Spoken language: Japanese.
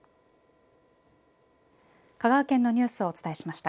香川県のニュースをお伝えしました。